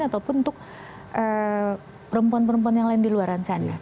ataupun untuk perempuan perempuan yang lain di luar sana